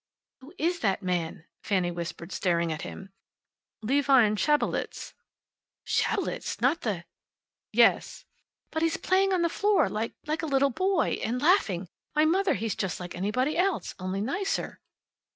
"Who is that man?" Fanny whispered, staring at him. "Levine Schabelitz." "Schabelitz! Not the " "Yes." "But he's playing on the floor like like a little boy! And laughing! Why, Mother, he's just like anybody else, only nicer."